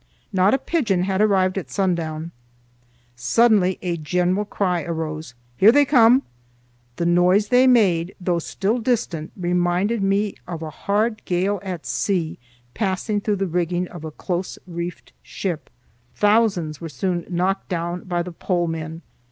"Not a pigeon had arrived at sundown. Suddenly a general cry arose—'Here they come!' The noise they made, though still distant, reminded me of a hard gale at sea passing through the rigging of a close reefed ship. Thousands were soon knocked down by the pole men.